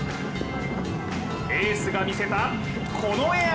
エースが見せたこのエア。